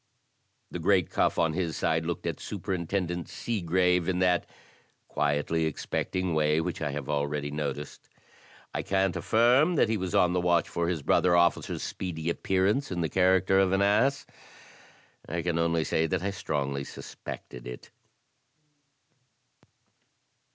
The great Cuff, on his side, looked at Superintendent Seegrave in that quietly expecting way which I have already noticed. I can't affirm that he was on the watch for his brother officer's speedy appearance in the character of an ass — I can only say that I strongly suspected it.